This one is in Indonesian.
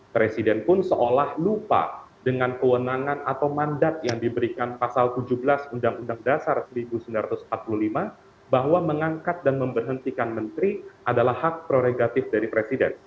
presiden pun seolah lupa dengan kewenangan atau mandat yang diberikan pasal tujuh belas undang undang dasar seribu sembilan ratus empat puluh lima bahwa mengangkat dan memberhentikan menteri adalah hak prerogatif dari presiden